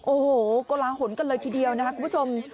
โอ้โหกลาหลกันเลยทีเดียวนะครับคุณผู้ชม